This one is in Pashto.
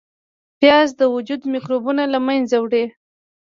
پیاز د وجود میکروبونه له منځه وړي